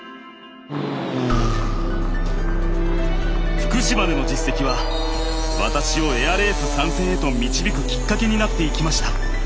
福島での実績は私をエアレース参戦へと導くきっかけになっていきました。